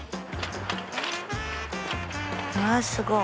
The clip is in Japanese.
わすごい。